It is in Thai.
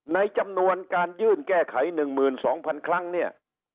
ในจำนวนการยื่นแก้ไข๑๒๐๐๐ครั้งเนี่ย